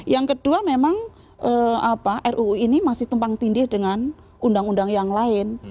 yang kedua memang ruu ini masih tumpang tindih dengan undang undang yang lain